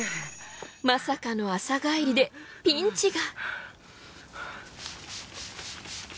まさかの朝帰りでピンチが。